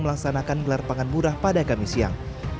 melaksanakan gelar pangan murah pada kamis siang